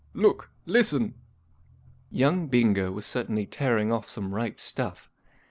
' Look ! Listen !" Y OUNG Bingo was certainly tearing off some ripe stuff.